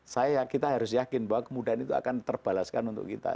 saya kita harus yakin bahwa kemudahan itu akan terbalaskan untuk kita